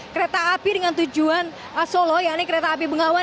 kereta api dengan tujuan solo yakni kereta api bengawan